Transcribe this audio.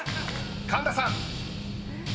神田さん］